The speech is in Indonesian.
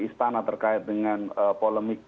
istana terkait dengan polemik